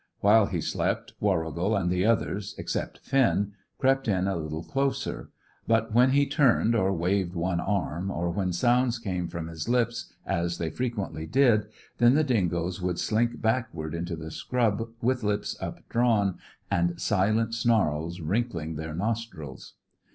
While he slept, Warrigal and the others, except Finn, crept in a little closer; but when he turned, or waved one arm, or when sounds came from his lips, as they frequently did, then the dingoes would slink backward into the scrub, with lips updrawn, and silent snarls wrinkling their nostrils.